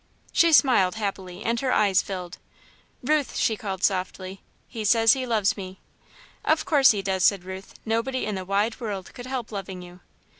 She smiled happily and her eyes filled. "Ruth," she called softly, "he says he loves me!" "Of course he does," said Ruth; "nobody in the wide world could help loving you."